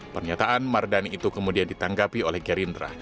pernyataan mardani itu kemudian ditanggapi oleh gerindra